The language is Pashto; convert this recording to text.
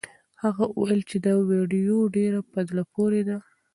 هغه وویل چې دا ویډیو ډېره په زړه پورې ده.